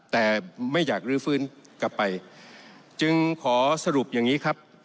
แต่ไม่อยากรื้อฟื้นกลับไปจึงขอสรุปอย่างนี้ครับ